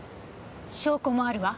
証拠もあるわ。